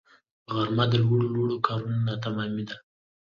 غرمه د لوړو لوړو کارونو ناتمامی ده